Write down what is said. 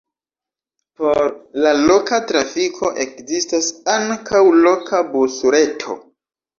Por la loka trafiko ekzistas ankaŭ loka busreto.